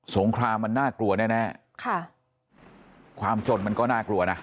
งครามมันน่ากลัวแน่แน่ค่ะความจนมันก็น่ากลัวนะ